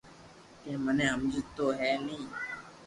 ڪي ھمي ھمجيو ھي ني